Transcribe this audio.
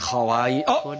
あっ！